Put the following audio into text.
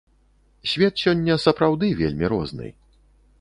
Свет сёння сапраўды вельмі розны.